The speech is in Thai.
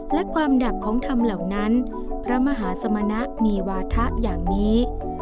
และความดับของธรรมเหล่านั้นพระมหาสมณะมีวาถะอย่างนี้